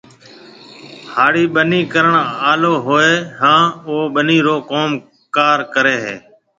هاڙِي ٻنِي ڪرڻ آݪو هوئي هيَ هانَ او ٻنِي رو ڪوم ڪار ڪريَ هيَ۔